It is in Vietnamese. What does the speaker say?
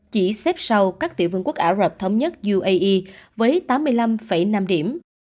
chỉ xếp sau các tiểu vương quốc ả rập thống nhất uae với tám mươi năm năm điểm